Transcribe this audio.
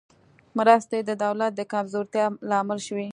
مرستې د دولت د کمزورتیا لامل شوې.